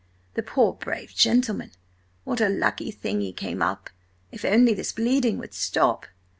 The poor, brave gentleman! What a lucky thing he came up! If only this bleeding would stop!"